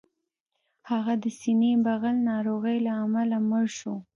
هغه د سینې بغل ناروغۍ له امله مړ شو